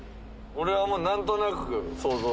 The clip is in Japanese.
俺はもう何となく想像。